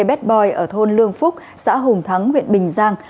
bad boy ở thôn lương phúc xã hùng thắng huyện bình giang